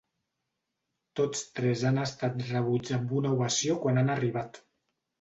Tots tres han estat rebuts amb una ovació quan han arribat.